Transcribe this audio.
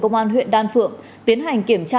công an huyện đan phượng tiến hành kiểm tra